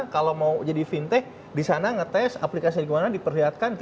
kalau mau jadi fintech di sana ngetes aplikasi di mana diperlihatkan